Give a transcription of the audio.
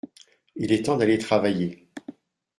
Il est temps d’aller travailler.